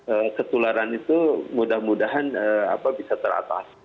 ee ketularan itu mudah mudahan ee apa bisa teratasi